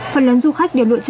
phần lớn du khách đều lựa chọn